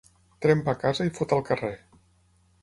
Trempa a casa i fot al carrer.